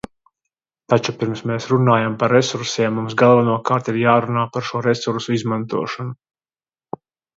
Taču, pirms mēs runājam par resursiem, mums galvenokārt ir jārunā par šo resursu izmantošanu.